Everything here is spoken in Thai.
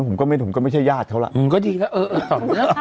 ผมก็ไม่ผมก็ไม่ใช่ญาติเขาล่ะอืมก็ดีแล้วเออเออเออเออ